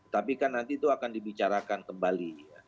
tapi kan nanti itu akan dibicarakan kembali